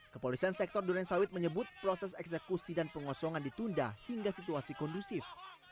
kepolisian sektor durensawit menyebut proses eksekusi dan pengosongan ditunda hingga situasi kondusif